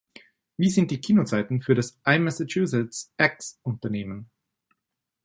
wie sind die Kinozeiten für das IMassachusettsX-Unternehmen